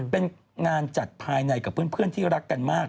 เป็นงานจัดภายในกับเพื่อนที่รักกันมาก